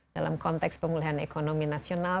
dalam konteks pemulihan ekonomi nasional